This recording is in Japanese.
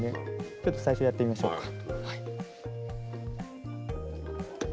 ちょっと最初やってみましょうか。